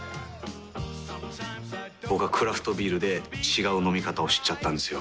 僕はクラフトビールで違う飲み方を知っちゃったんですよ。